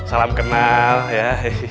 salam kenal ya